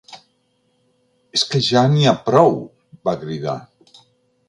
És que ja n’hi ha prou!, va cridar.